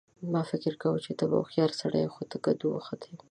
ما فکر کاوه چې ته به هوښیار سړی یې خو ته کدو وختې